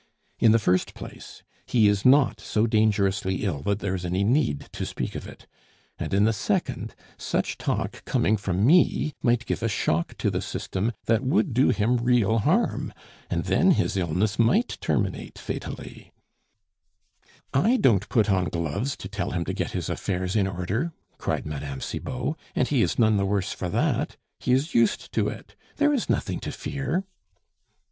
In the first place, he is not so dangerously ill that there is any need to speak of it, and in the second, such talk coming from me might give a shock to the system that would do him real harm, and then his illness might terminate fatally " "I don't put on gloves to tell him to get his affairs in order," cried Mme. Cibot, "and he is none the worse for that. He is used to it. There is nothing to fear."